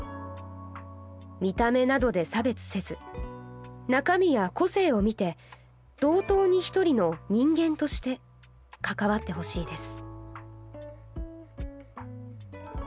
見た目などで差別せず中身や個性を見て同等に一人の人間として関わってほしいです」。